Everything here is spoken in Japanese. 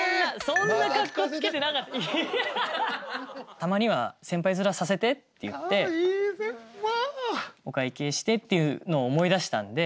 「たまには先輩面させて」って言ってお会計してっていうのを思い出したんで。